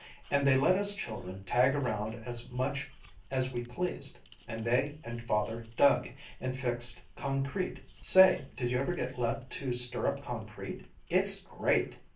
and they let us children tag around as much as we pleased and they and Father dug, and fixed concrete say, did you ever get let to stir up concrete? It's great!"